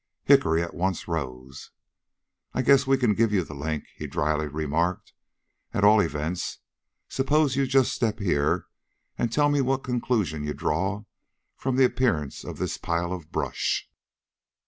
Hickory at once rose. "I guess we can give you the link," he dryly remarked. "At all events, suppose you just step here and tell me what conclusion you draw from the appearance of this pile of brush."